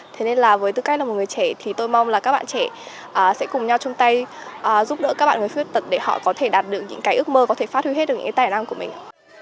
thế nên là với tư cách là một người trẻ thì tôi mong là các bạn trẻ sẽ cùng nhau chung tay giúp đỡ các bạn người khuyết tật để họ có thể đạt được những cái ước mơ có thể phát huy hết được những cái tài năng của mình